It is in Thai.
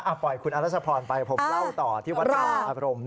ปล่อยคุณอรัชพรไปผมเล่าต่อที่วัดสว่างอารมณ์